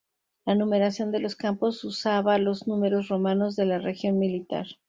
La numeración de los campos usaba los números romanos de la región militar.